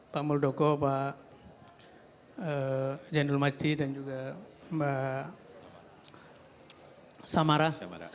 pak mudoko pak jendul masji dan juga mbak samara